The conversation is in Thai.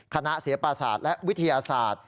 คณะเสียปาสาธุและวิทยาศาสตร์